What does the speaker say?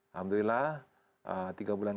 alhamdulillah tiga bulan